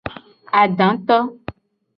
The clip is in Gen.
Adato.